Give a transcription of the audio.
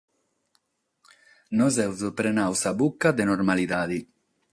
Nos amus prenadu sa buca de normalidade.